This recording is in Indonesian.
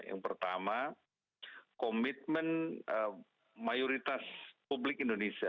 yang pertama komitmen mayoritas publik indonesia